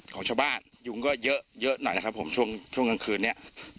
ของชาวบ้านยุงก็เยอะหน่อยนะครับผมช่วงกลางคืนนี้